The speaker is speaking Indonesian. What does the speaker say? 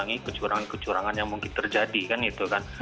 mengurangi kecurangan kecurangan yang mungkin terjadi kan gitu kan